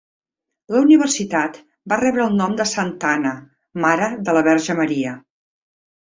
La Universitat va rebre el nom de Santa Anna, mare de la Verge Maria.